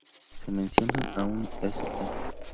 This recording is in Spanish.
Se menciona a un Sp.